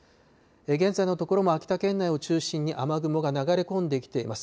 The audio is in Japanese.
現在のところも秋田県内を中心に雨雲が流れ込んできています。